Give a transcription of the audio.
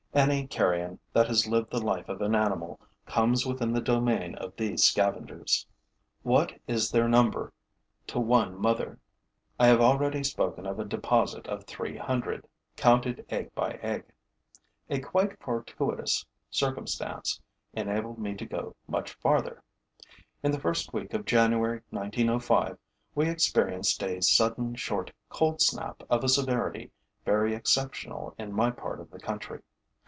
Any carrion that has lived the life of an animal comes within the domain of these scavengers. What is their number to one mother? I have already spoken of a deposit of three hundred, counted egg by egg. A quite fortuitous circumstance enabled me to go much farther. In the first week of January 1905, we experienced a sudden short cold snap of a severity very exceptional in my part of the country.